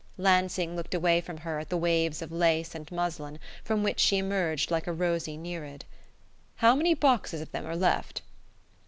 Lansing looked away from her at the waves of lace and muslin from which she emerged like a rosy Nereid. "How many boxes of them are left?"